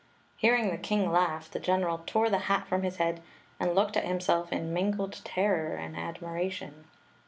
• Hearing the king laugh, the general tore the hat from his head and looked at himself in mingled terror and admiration.